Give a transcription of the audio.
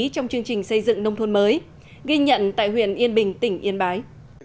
trong chương trình xây dựng nông thôn mới ghi nhận tại huyện yên bình tỉnh yên bái